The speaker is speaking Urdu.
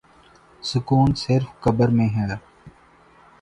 سکون صرف قبر میں ہے